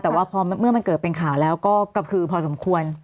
แต่ว่าพอเมื่อมันเกิดเป็นข่าวแล้วก็กระพือพอสมควร